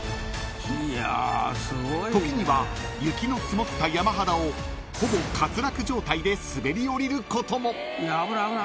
［時には雪の積もった山肌をほぼ滑落状態で滑り降りることも］